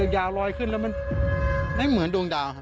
ยาวลอยขึ้นแล้วมันไม่เหมือนดวงดาวครับ